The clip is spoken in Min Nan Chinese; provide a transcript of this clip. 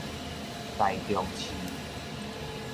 臺中市